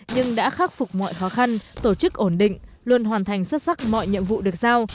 nhưng đã khắc phục mọi khó khăn tổ chức ổn định luôn hoàn thành xuất sắc mọi nhiệm vụ được giao